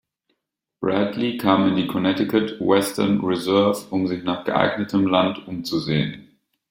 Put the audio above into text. Bradley kam in die Connecticut Western Reserve, um sich nach geeignetem Land umzusehen.